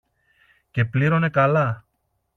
Και πλήρωνε καλά.